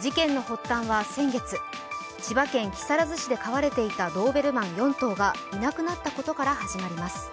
事件の発端は先月、千葉県木更津市で飼われていたドーベルマン４頭がいなくなったことから始まります。